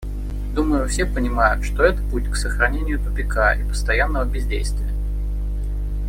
Думаю, все понимают, что это путь к сохранению тупика и постоянного бездействия.